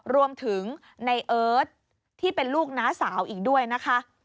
รวมถึงในเอิร์ทที่เป็นลูกน้าสาวอีกด้วยนะคะ